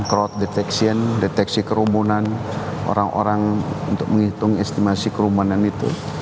crowd detection deteksi kerumunan orang orang untuk menghitung estimasi kerumunan itu